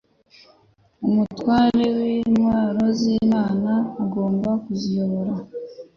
Umutware wintwaro z’Imana agomba kuziyobora